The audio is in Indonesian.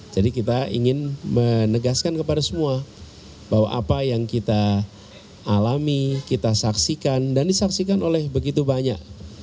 jadi kita ingin menegaskan kepada semua bahwa apa yang kita alami kita saksikan dan disaksikan oleh begitu banyak